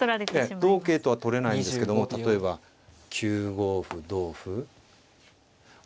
同桂とは取れないんですけども例えば９五歩同歩ああ